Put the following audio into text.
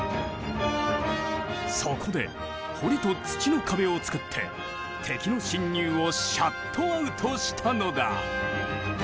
そこで堀と土の壁をつくって敵の侵入をシャットアウトしたのだ。